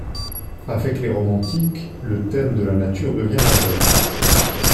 Avec les romantiques, le thème de la Nature devient majeur.